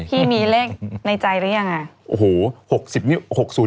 พี่มีเลขในใจรึยัง